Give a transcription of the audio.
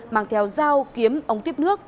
mang theo dao kiếm ống tiếp nước